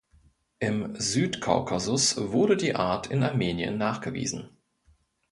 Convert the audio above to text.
Im Südkaukasus wurde die Art in Armenien nachgewiesen.